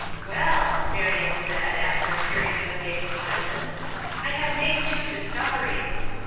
"Well," Marion said, after a period of amazed silence, "I have made two discoveries.